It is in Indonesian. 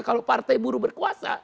kalau partai buruh berkuasa